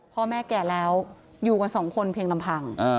พ่อแม่แก่แล้วอยู่กันสองคนเพียงลำพัง